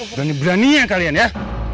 berani berani ya kalian ya